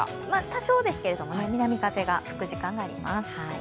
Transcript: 多少ですけどもね、南風が吹く時間もあります。